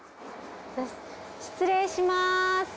失礼します。